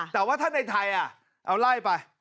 แต่ว่าถ้าในไทยเอาไล่ไป